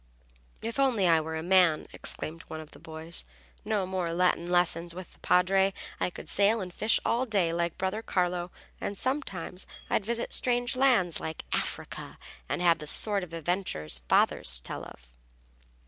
"If only I were a man!" exclaimed one of the boys. "No more Latin lessons with the Padre. I could sail and fish all day like brother Carlo. And sometimes I'd visit strange lands, like Africa, and have the sort of adventures father tells of."